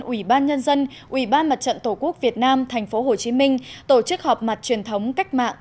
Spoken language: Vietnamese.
ủy ban nhân dân ủy ban mặt trận tổ quốc việt nam tp hcm tổ chức họp mặt truyền thống cách mạng